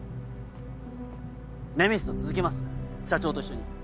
ネメシスを続けます社長と一緒に。